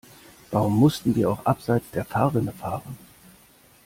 Warum mussten wir auch abseits der Fahrrinne fahren?